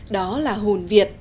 đó là hồn việt